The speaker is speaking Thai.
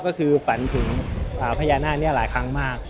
ก็คือฝันถึงพญานาคนี้หลายครั้งมาก